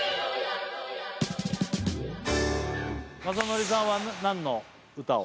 雅紀さんは何の歌を？